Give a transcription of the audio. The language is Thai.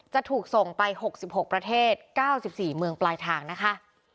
จะถูกส่งไป๖๖ประเทศ๙๔เมืองปลายทางนะคะ